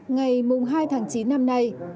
ngày mùng hai tháng chín năm nay